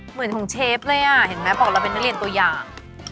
เหมือนของเชฟเลยอ่ะเห็นไหมบอกเราเป็นนักเรียนตัวอย่าง